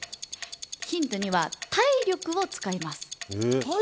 ヒント２は、体力を使います。